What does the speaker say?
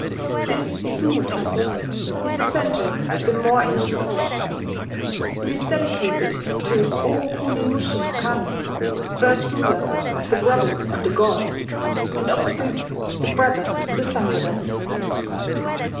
This Izumo temple is the centre of the more ancient cult. It is dedicated to Oho kuni nushi no Kami, first ruler of the Province of the Gods, and offspring of the brother of the Sun goddess.